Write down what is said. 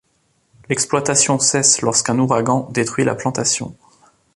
L'exploitation cesse lorsqu'un ouragan détruit la plantation.